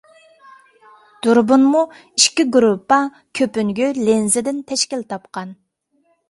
دۇربۇنمۇ ئىككى گۇرۇپپا كۆپۈنگۈ لېنزىدىن تەشكىل تاپقان.